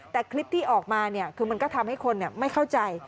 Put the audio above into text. แต่คลิปที่ออกมาคือมันก็ทำให้คนไม่เข้าใจ